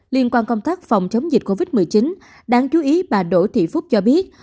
liên quan công tác phòng chống dịch covid một mươi chín đáng chú ý bà đỗ thị phúc cho biết